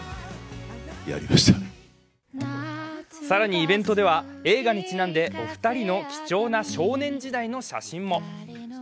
更に、イベントでは映画にちなんでお二人の貴重な少年時代の写真も。